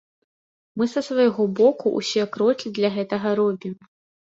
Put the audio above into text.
Мы са свайго боку усе крокі для гэтага робім.